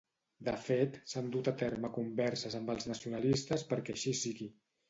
De fet, s'han dut a termes converses amb els nacionalistes perquè així sigui.